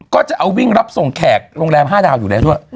ก็จะเอาวิ่งรับส่งแขกโรงแรม๕ดาวอยู่แล้วด้วย